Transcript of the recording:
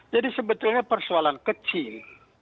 jadi sebetulnya persoalan kecil